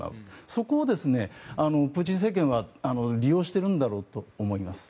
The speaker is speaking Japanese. そこをプーチン政権は利用しているんだろうと思います。